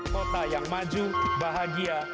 kota yang maju bahagia